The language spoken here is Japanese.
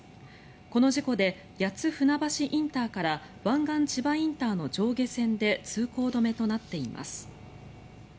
この事故で谷津船橋ＩＣから湾岸千葉ＩＣの上下線で通行止めとなっています。